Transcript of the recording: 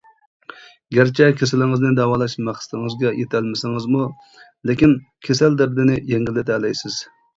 گەرچە كېسىلىڭىزنى داۋالاش مەقسىتىڭىزگە يېتەلمىسىڭىزمۇ، لېكىن كېسەل دەردىنى يەڭگىللىتەلەيسىز.